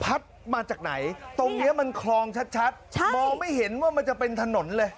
มาจากไหนตรงนี้มันคลองชัดมองไม่เห็นว่ามันจะเป็นถนนเลย